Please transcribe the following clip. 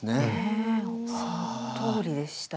そのとおりでしたね。